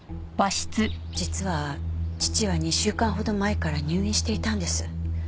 実は父は２週間ほど前から入院していたんです。